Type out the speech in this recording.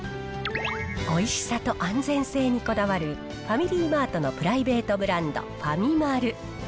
おいしさと安全性にこだわる、ファミリーマートのプライベートブランド、ファミマル。